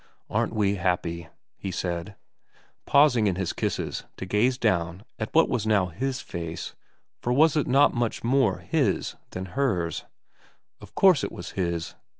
' Aren't we happy,' he said, pausing in his kisses to gaze down at what was now his face, for was it not much more his than hers ? Of course it was his.